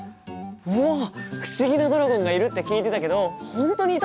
うわっ不思議なドラゴンがいるって聞いてたけど本当にいたんだ！